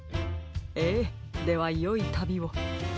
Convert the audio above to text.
ええではよいたびを。